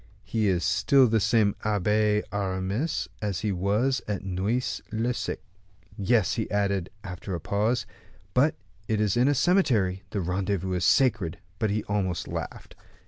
He is still the same Abbe Aramis as he was at Noisy le Sec. Yes," he added, after a pause; "but as it is in a cemetery, the rendezvous is sacred." But he almost laughed.